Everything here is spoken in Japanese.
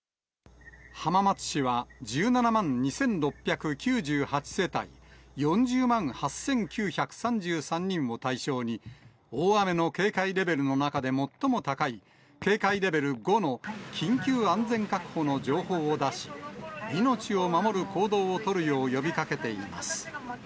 浜松市は１７万２６９８世帯４０万８９３３人を対象に、大雨の警戒レベルの中で最も高い、警戒レベル５の緊急安全確保の情報を出し、命を守る行動を取るよう呼びかけています。